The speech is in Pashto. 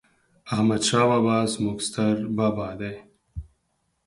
احمد شاه بابا ﺯموږ ستر بابا دي